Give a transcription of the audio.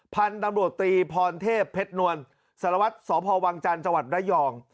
พันธุ์ตำรวจตรีพรเทพเพชรนวลสารวัตรสพวังจันทร์จังหวัดระยอง